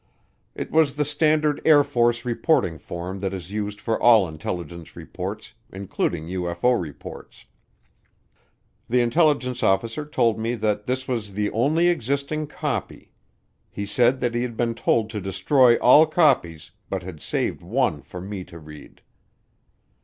It was the standard Air Force reporting form that is used for all intelligence reports, including UFO reports. The intelligence officer told me that this was the only existing copy. He said that he had been told to destroy all copies, but had saved one for me to read.